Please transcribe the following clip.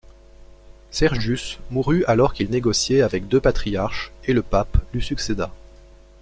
Sergius mourut alors qu'il négociait avec deux patriarches et le Pape lui succéda.